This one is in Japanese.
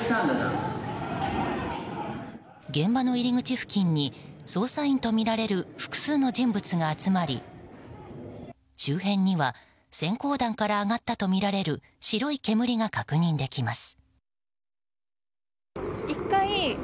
現場の入り口付近に捜査員とみられる複数の人物が集まり周辺には閃光弾から上がったとみられる白い煙が確認できます。